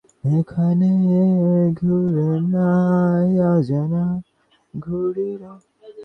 আমাদের গাড়ি প্রয়োজন।